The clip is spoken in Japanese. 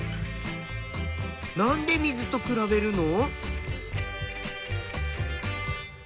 なんで水と比べるの？